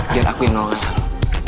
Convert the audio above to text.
biar aku yang nolongan kamu